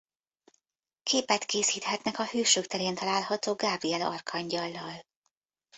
Képet készíthetnek a Hősök terén található Gabriel arkangyallal.